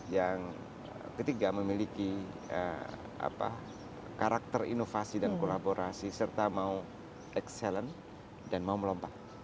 yang ketiga memiliki karakter inovasi dan kolaborasi serta mau excellent dan mau melompat